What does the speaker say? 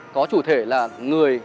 có chủ thể là người